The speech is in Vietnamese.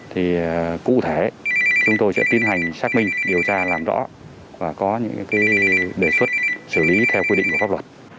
thì cụ thể chúng tôi sẽ tiến hành xác minh điều tra làm rõ và có những đề xuất xử lý theo quy định của pháp luật